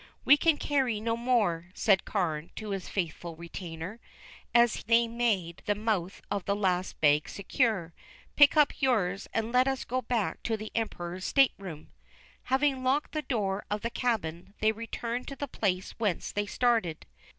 "We can carry no more," said Carne to his faithful retainer, as they made the mouth of the last bag secure. "Pick up yours and let us get back to the Emperor's stateroom." Having locked the door of the cabin, they returned to the place whence they had started.